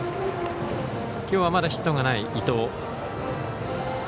きょうはまだヒットがない伊藤。